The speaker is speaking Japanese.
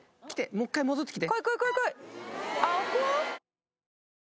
もう１回戻ってきて。